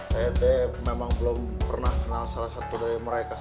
saya memang belum pernah kenal salah satu dari mereka